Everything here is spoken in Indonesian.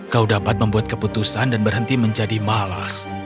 kau dapat membuat keputusan dan berhenti menjadi malas